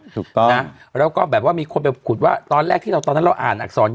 ถูกต้องนะแล้วก็แบบว่ามีคนไปขุดว่าตอนแรกที่เราตอนนั้นเราอ่านอักษร